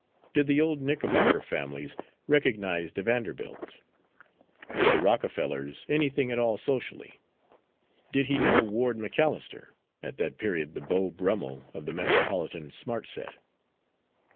Did the old Knickerbocker families recognise the Vanderbilts? Were the Rockefellers anything at all socially? Did he know Ward McAllister, at that period the Beau Brummel of the metropolitan smart set?